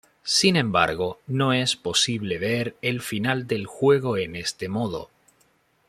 Sin embargo, no es posible ver el final del juego en este modo.